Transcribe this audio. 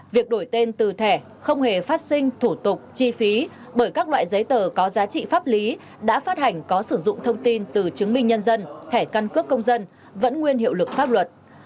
việc đổi tên từ thẻ không hề phát sinh thủ tục chi phí bởi các loại giấy tờ có giá trị pháp lý đã phát hành có sử dụng thông tin từ chứng minh nhân dân thẻ căn cước công dân vẫn nguyên hiệu lực pháp luật